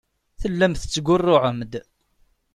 Tellam tettgurruɛem-d.